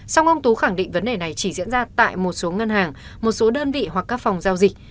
song ông tú khẳng định vấn đề này chỉ diễn ra tại một số ngân hàng một số đơn vị hoặc các phòng giao dịch